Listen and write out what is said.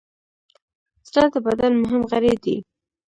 زړه د بدن مهم غړی دی.